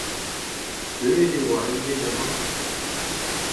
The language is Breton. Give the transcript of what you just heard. Deuet e oa un den amañ.